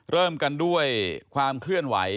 เริ่มกันด้วยความเคลื่อนไหว